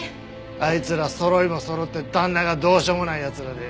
あいつら揃いも揃って旦那がどうしようもない奴らで。